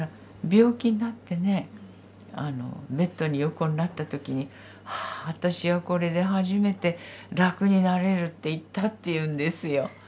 病気になってねベットに横になった時に「はぁ私はこれで初めて楽になれる」って言ったっていうんですよ。